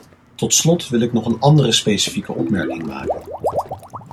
Tot slot wil ik nog een andere specifieke opmerking maken.